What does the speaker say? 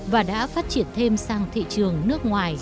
và đã phát triển thêm sang thị trường nước ngoài